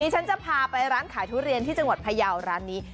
ฉันจะพาไปร้านขายทุเรียนที่จังหวัดพยาวร้านนี้